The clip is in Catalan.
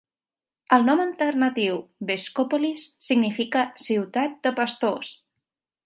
El nom alternatiu "Voskopolis" significa "Ciutat de pastors".